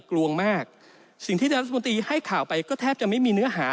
กลัวมากสิ่งที่ท่านรัฐมนตรีให้ข่าวไปก็แทบจะไม่มีเนื้อหา